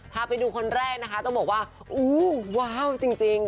พาไปดูคนแรกนะคะต้องบอกว่าอู้ว้าวจริง